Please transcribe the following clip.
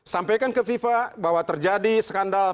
sampaikan ke fifa bahwa terjadi skandal